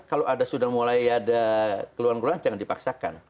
kalau ada sudah mulai ada keluhan keluhan jangan dipaksakan